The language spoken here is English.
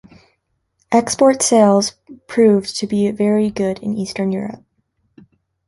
Export sales proved to be very good in Eastern Europe.